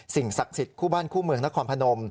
ศักดิ์สิทธิ์คู่บ้านคู่เมืองนครพนม